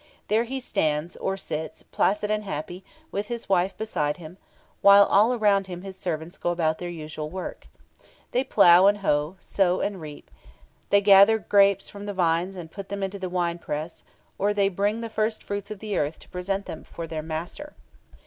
There he stands, or sits, placid and happy, with his wife beside him, while all around him his servants go about their usual work. They plough and hoe, sow and reap; they gather the grapes from the vines and put them into the winepress; or they bring the first fruits of the earth to present them before their master (Plate 15).